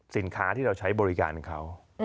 สินค้าที่เราใช้บริการเขา